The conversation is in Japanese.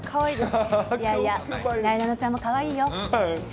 いやいや、なえなのちゃんもかわいいよ。